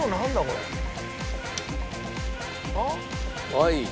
はい。